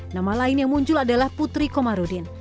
nama lain yang muncul adalah putri komarudin